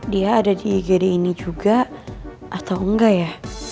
dia ada di igd ini juga atau enggak ya